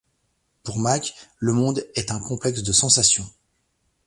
Pour Mach, le monde est un complexe de sensations.